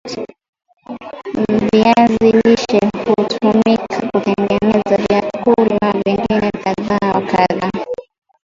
viazi lishe hutumika kutengeneza vyakula vingine kadha wa kadha